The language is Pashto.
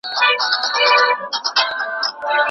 ناکامۍ د بریا زینه ده.